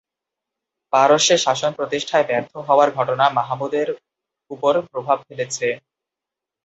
পারস্যে শাসন প্রতিষ্ঠায় ব্যর্থ হওয়ার ঘটনা মাহমুদের উপর প্রভাব ফেলেছে।